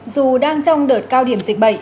dù đang trong đợt cao điểm dịch bậy